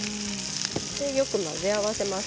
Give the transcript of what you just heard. よく混ぜ合わせます。